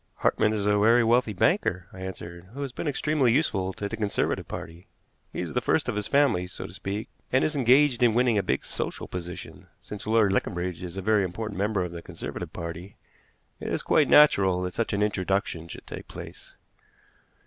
"Hartmann is a very wealthy banker," I answered, "who has been extremely useful to the Conservative Party. He is the first of his family, so to speak, and is engaged in winning a big social position. Since Lord Leconbridge is a very important member of the Conservative Party, it is quite natural that such an introduction should take place."